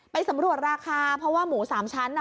ไปสำรวจราคาเพราะว่าหมูสามชั้นน่ะ